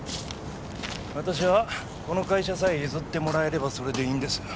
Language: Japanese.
私はこの会社さえ譲ってもらえればそれでいいんです。